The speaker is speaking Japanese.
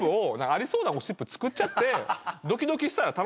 ありそうなゴシップ作っちゃってドキドキしたら楽しいやんって。